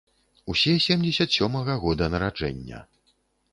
Усе семдзесят сёмага года нараджэння.